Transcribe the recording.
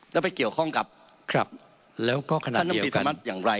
แล้วไปเกี่ยวข้องกับท่านมตรีธรรมนัทอย่างไร